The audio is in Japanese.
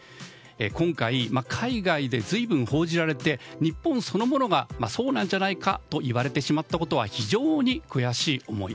今回、海外で随分報じられて日本そのものがそうなんじゃないかと言われてしまったことは非常に悔しい思い。